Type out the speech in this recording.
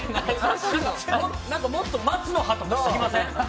もっと松の葉とか敷きません？